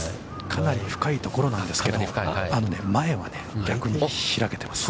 ◆かなり深いところなんですけれども、前は逆に開けてます。